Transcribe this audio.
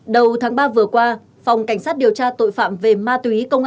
đầu tháng ba vừa qua phòng cảnh sát điều tra tội phạm về ma túy tp hcm